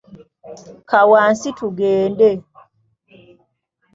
Kka wansi tugende.